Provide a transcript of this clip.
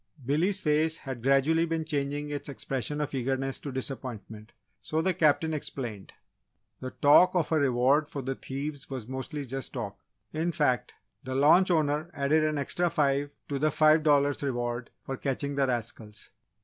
Billy's face had gradually been changing its expression of eagerness to disappointment, so the Captain explained: "The talk of a reward for the thieves was mostly just talk! In fact, the launch owner added an extra five to the five dollars reward for catching the rascals.